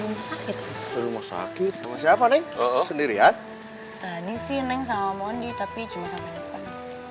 rumah sakit sama siapa nih sendirian tadi sih neng sama mondi tapi cuma sampai depan